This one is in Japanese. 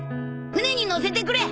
船に乗せてくれ！